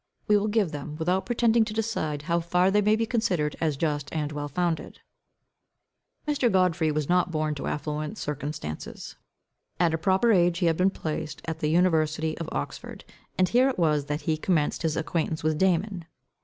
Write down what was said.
We will give them without pretending to decide how far they may be considered as just and well founded. Mr. Godfrey was not born to affluent circumstances. At a proper age he had been placed at the university of Oxford, and here it was that he commenced his acquaintance with Damon.